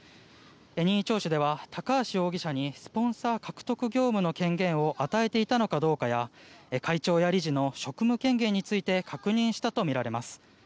任意聴取では高橋容疑者にスポンサー獲得業務の権限を与えていたのかどうかや会長や理事の職務権限について確認したとみられます。